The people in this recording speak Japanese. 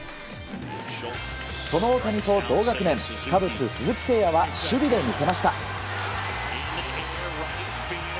その大谷と同学年カブスの鈴木誠也は守備で見せました。